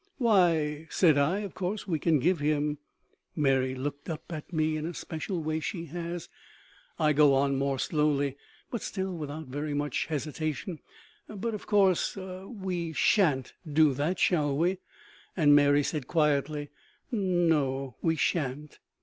"Why," said I, "of course we can give him " Mary looked up at me in a special way she has. I go on, more slowly, but still without very much hesitation: "But, of course, we sha'n't do that, shall we?" And Mary said quietly: "No, we sha'n't."